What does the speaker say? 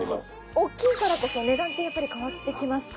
大っきいからこそ値段ってやっぱり変わってきますか？